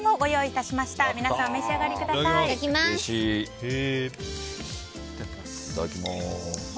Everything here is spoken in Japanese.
いただきます。